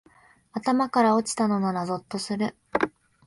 頭から落ちたのならゾッとする